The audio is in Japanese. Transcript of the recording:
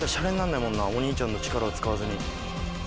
お兄ちゃんの力を使わずに。